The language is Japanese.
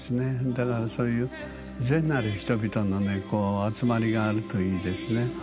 だからそういう善なる人々のね集まりがあるといいですね。